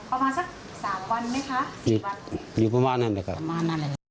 เอามาสักสามวันไหมคะสี่วันอยู่ประมาณนั้นแหละครับ